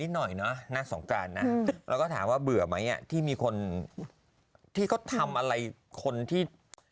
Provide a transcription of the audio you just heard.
นิดหน่อยนะนักสมกราศเราก็ถามว่าเบื่อไหมเนี่ยที่มีคนที่เขาทำอะไรคนที่